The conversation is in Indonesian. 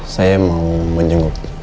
saya mau menjenguk